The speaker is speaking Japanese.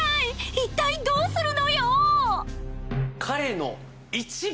一体どうするのよ！